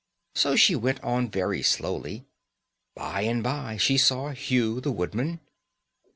So she went on very slowly. By and by she saw Hugh, the woodman.